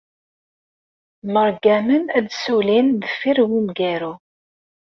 Mṛeggamen ad ssullin deffir umgaru.